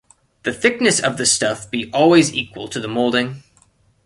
The thickness of the stuff be always equal to the moulding.